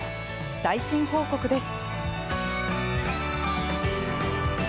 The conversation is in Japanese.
最新報告です。